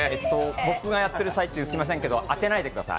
僕がやってる最中、すいませんけど当てないでください。